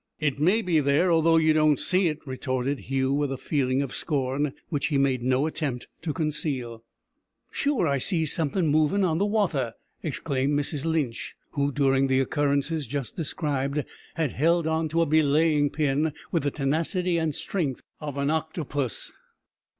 "It may be there, although you don't see it," retorted Hugh, with a feeling of scorn, which he made no attempt to conceal. "Sure I sees somethin' movin' on the wather," exclaimed Mrs Lynch, who, during the occurrences just described, had held on to a belaying pin with the tenacity and strength of an octopus.